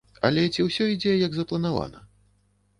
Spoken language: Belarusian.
Але ці ўсё ідзе, як запланавана?